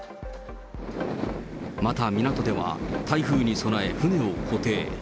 また港では、台風に備え、船を固定。